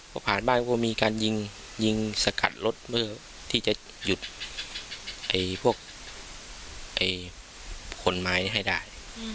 พอผ่านบ้านก็มีการยิงยิงสกัดรถเพื่อที่จะหยุดพวกขนไม้ให้ได้